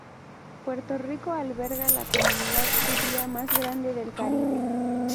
Puerto Rico alberga la comunidad judía más grande del Caribe.